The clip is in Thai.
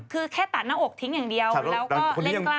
คือแค่ตัดหน้าอกทิ้งอย่างเดียวแล้วก็เล่นกล้า